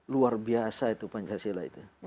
luar biasa itu pancasila itu